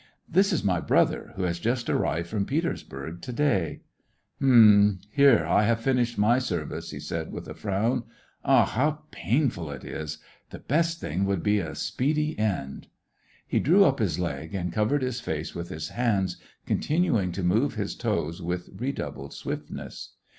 " This is«TOy brother, who has just arrived from Petersburg to day." 176 SEVASTOPOL IN AUGUST. " Hm ! Here I have finished my service," he said, with a frown. Ah, how painful it is !... The best thing would be a speedy end." He drew up his leg, and covered his face with his hands, continuing to move his toes with re doubled swiftness.